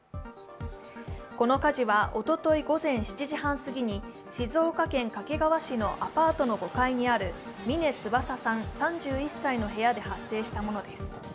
この火事はおととい午前７時半すぎに静岡県掛川市のアパートの５階にある峰翼さん３１歳の部屋で発生したものです。